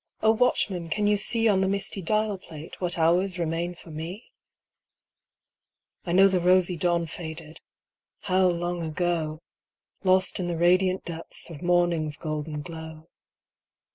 O watchman, can you see On the misty dial plate What hours remain for me ? I know the rosy dawn Faded — how long ago !— Lost in the radiant depths Of morning's golden glow.